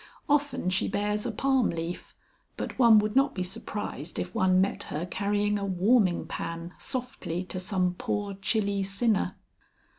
Often she bears a palm leaf, but one would not be surprised if one met her carrying a warming pan softly to some poor chilly sinner.